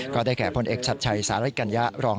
ก็ได้แค่ผลเอกชัดไชยสาริกัญญา